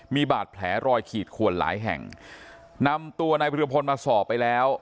มีบาดแผลรอยขีดขวนหลายแห่งนำตัวนายวิรพลมาสอบไปแล้ว